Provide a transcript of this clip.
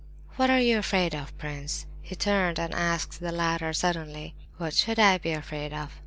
"What are you afraid of, prince?" he turned and asked the latter suddenly. "What should I be afraid of?"